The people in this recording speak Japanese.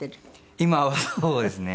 今はそうですね。